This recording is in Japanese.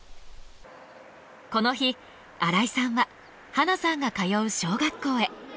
この日荒井さんは花さんが通う小学校へ。